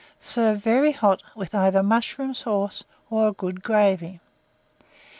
Serve very hot, with either mushroom sauce or a good gravy.